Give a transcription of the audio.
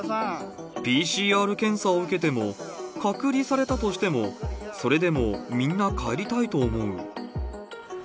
ＰＣＲ検査を受けても、隔離されたとしても、それでもみんな帰りたいと思う。